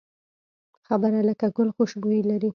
خبره لکه ګل خوشبويي لري